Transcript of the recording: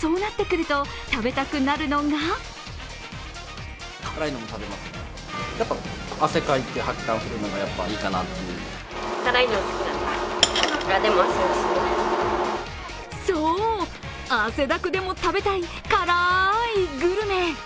そうなってくると、食べたくなるのがそう、汗だくでも食べたい、辛いグルメ。